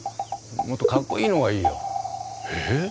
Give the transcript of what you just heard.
もっとかっこいいのがいいよ。えっ！？